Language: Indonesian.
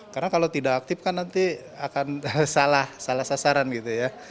karena kalau tidak aktif kan nanti akan salah salah sasaran gitu ya